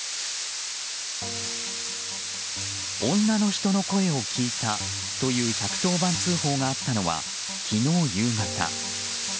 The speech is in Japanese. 女の人の声を聞いたという１１０番通報があったのは昨日夕方。